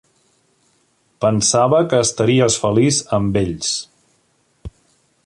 Pensava que estaries feliç amb ells.